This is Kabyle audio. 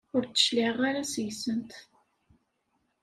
Ur d-cliɛeɣ ara seg-sent.